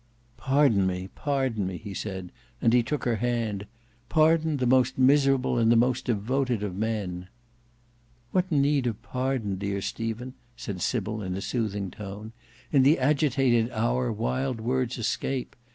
"Pardon me, pardon me," he said, and he took her hand. "Pardon the most miserable and the most devoted of men!" "What need of pardon, dear Stephen?" said Sybil in a soothing tone. "In the agitated hour wild words escape.